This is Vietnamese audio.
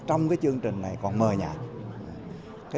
trong chương trình này còn mờ nhạt